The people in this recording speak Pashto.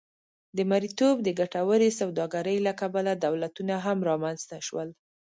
د مریتوب د ګټورې سوداګرۍ له کبله دولتونه هم رامنځته شول.